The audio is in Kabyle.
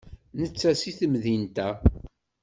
Netta seg temdint-a.